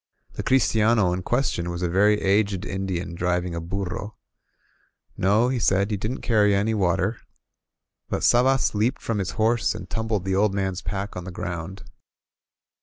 The christiano in ques tion was a very aged Indian driving a burro. No, he said, he didn't carry any water. But Sabas leaped from his horse and tumbled the old man's pack on the ground.